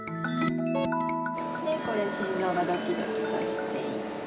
でこれ心ぞうがドキドキとしていて。